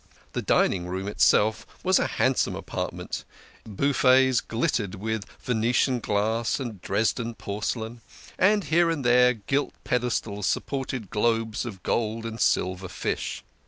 The dining room itself was a handsome apartment; its buffets glittered with Venetian glass and Dresden porcelain, and here and there gilt pedestals supported globes of gold and silver fish.